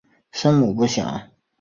生母不详。